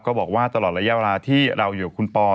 ก็บอกว่าตลอดระยะเวลาที่เราอยู่กับคุณปอ